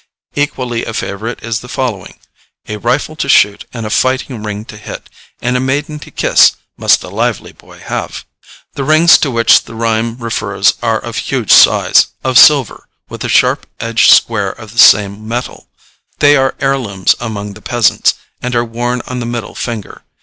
Equally a favorite is the following: A rifle to shoot, And a fighting ring to hit, And a maiden to kiss, Must a lively boy have. The rings to which the rhyme refers are of huge size, of silver, with a sharp edged square of the same metal. They are heirlooms among the peasants, and are worn on the middle finger.